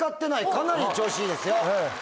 かなり調子いいですよ。